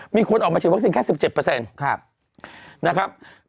มีคนออกมาฉีดวัคซีนแค่๑๗